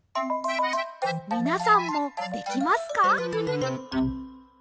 みなさんもできますか？